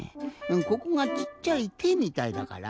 ここがちっちゃいてみたいだから？